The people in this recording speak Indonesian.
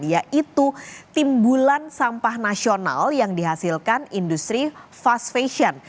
yaitu timbulan sampah nasional yang dihasilkan industri fast fashion